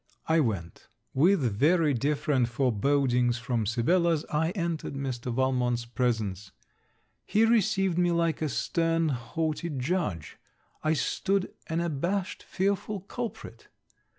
I went. With very different forebodings from Sibella's I entered Mr. Valmont's presence. He received me like a stern haughty judge; I stood an abashed fearful culprit.